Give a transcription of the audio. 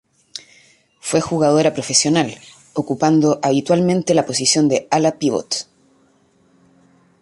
Fue jugadora profesional, ocupando habitualmente la posición de ala-pívot.